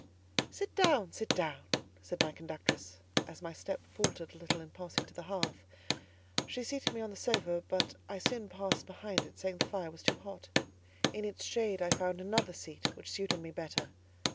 "Sit down—sit down," said my conductress, as my step faltered a little in passing to the hearth. She seated me on the sofa, but I soon passed behind it, saying the fire was too hot; in its shade I found another seat which suited me better.